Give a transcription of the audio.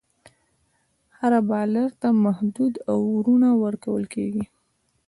هر بالر ته محدود اوورونه ورکول کیږي.